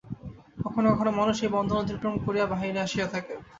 কখনও কখনও মানুষ এই বন্ধন অতিক্রম করিয়া বাহিরে আসিয়া থাকে।